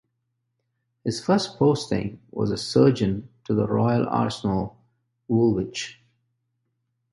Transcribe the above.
His first posting was as a surgeon to the Royal Arsenal, Woolwich.